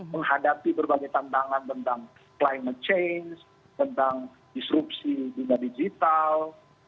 menghadapi berbagai tantangan tentang climate change tentang disrupsi dunia digital